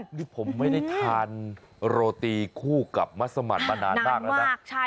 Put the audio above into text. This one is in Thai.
นี่ผมไม่ได้ทานโรตีคู่กับมัสมันมานานมากแล้วนะ